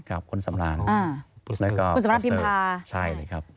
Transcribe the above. แล้วก็พิมพา